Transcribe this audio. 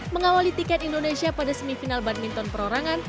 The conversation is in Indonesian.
mengawali tiket indonesia pada semifinal badminton perorangan